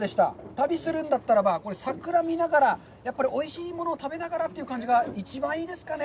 旅するんだったらば、桜を見ながら、やっぱり、おいしいものを食べながらという感じが一番いいですかね？